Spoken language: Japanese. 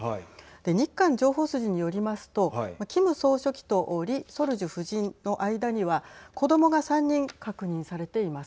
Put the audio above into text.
日韓情報筋によりますとキム総書記とリ・ソルジュ夫人の間には子どもが３人確認されています。